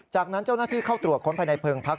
จากนั้นเจ้าหน้าที่เข้าตรวจค้นภายในเพลิงพัก